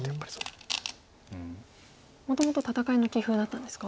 もともと戦いの棋風だったんですか？